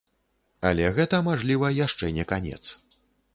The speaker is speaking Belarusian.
Але гэта, мажліва, яшчэ не канец.